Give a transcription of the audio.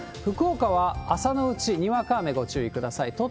福岡は朝のうちにわか雨ご注意ください。